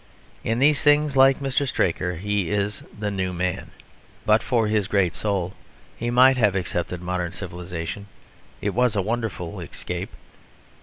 In these things, like Mr. Straker, he is the New Man. But for his great soul he might have accepted modern civilisation; it was a wonderful escape.